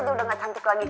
udah gak cantik lagi